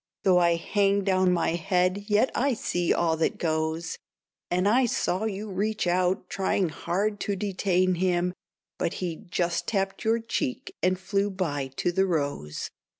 Though I hang down my head, yet I see all that goes; And I saw you reach out trying hard to detain him, But he just tapped your cheek and flew by to the Rose.